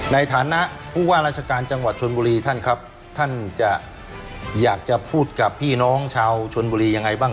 ในฐานะผู้ว่าราชการจังหวัดชนบุรีท่านครับท่านจะอยากจะพูดกับพี่น้องชาวชนบุรียังไงบ้าง